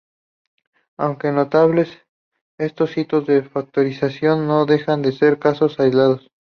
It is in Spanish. Aunque notables, estos hitos de factorización no dejan de ser casos aislados.